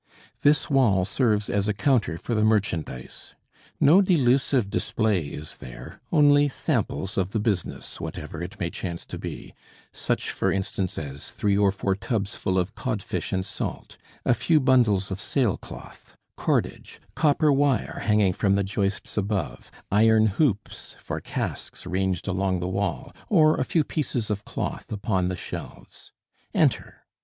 This wall serves as a counter for the merchandise. No delusive display is there; only samples of the business, whatever it may chance to be, such, for instance, as three or four tubs full of codfish and salt, a few bundles of sail cloth, cordage, copper wire hanging from the joists above, iron hoops for casks ranged along the wall, or a few pieces of cloth upon the shelves. Enter.